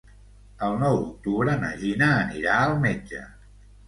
El nou d'octubre na Gina anirà al metge.